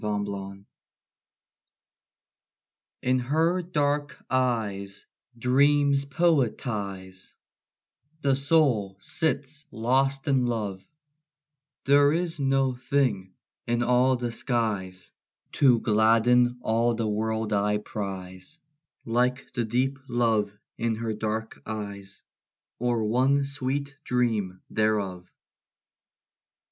HER EYES In her dark eyes dreams poetize; The soul sits lost in love: There is no thing in all the skies, To gladden all the world I prize, Like the deep love in her dark eyes, Or one sweet dream thereof.